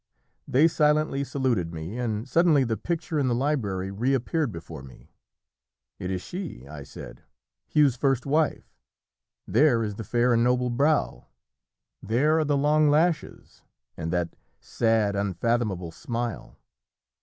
They silently saluted me, and suddenly the picture in the library reappeared before me. "It is she," I said, "Hugh's first wife. There is the fair and noble brow, there are the long lashes, and that sad, unfathomable smile.